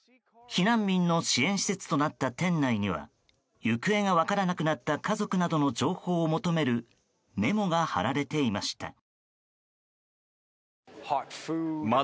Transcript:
避難民の支援施設となった店内には行方が分からなくなった家族などの情報を求めるメモが貼られていました。